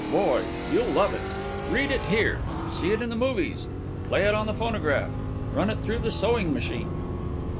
Boy, you'll love it! Read it here, see it in the movies, play it on the phonograph, run it through the sewing machine.